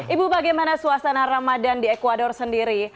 ibu bagaimana suasana ramadan di ecuador sendiri